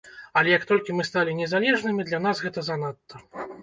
Але як толькі мы сталі незалежнымі, для нас гэта занадта.